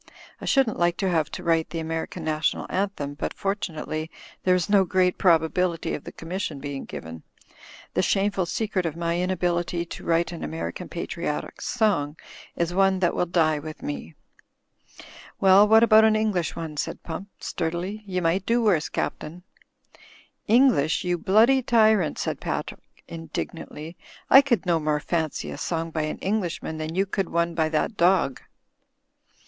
I shouldn't like to have to write the American National Anthem, but fortu nately there is no great probability of the commission being given. The shameful secret of my inability to write an American patriotic song is one that will die ^ithme/' .,,_byGoogl. THE SONGS OF THE CAR CLUB 183 'Well, what about an English one," said Pump, sturdily. "You might do worse, Captain/' "English, you bloody t)rrant," said Patrick, indig nantly. "I could no more fancy a song by an English man than you could one by that dog."